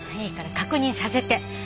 いいから確認させて。